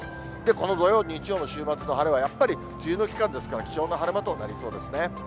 この土曜、日曜の週末の晴れはやっぱり梅雨の期間ですから貴重な晴れ間となりそうですね。